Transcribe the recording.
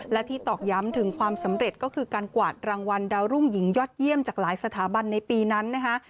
และที่ตอกย้ำถึงความสำเร็จก็คือการกวาดรางวัลดาวรุ่งหญิงยอดเยี่ยมจากหลายสถาบันในปีนั้นนะคะ